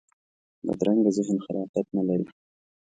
بدرنګه ذهن خلاقیت نه لري